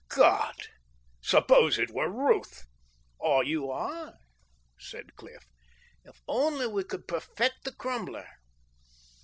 God, suppose it were Ruth!" "Or you or I," said Cliff. "If only we could perfect the Crumbler!"